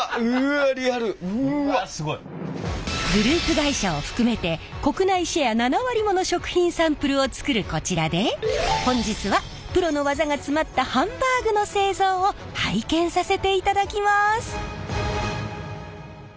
グループ会社を含めて国内シェア７割もの食品サンプルを作るこちらで本日はプロの技が詰まったハンバーグの製造を拝見させていただきます。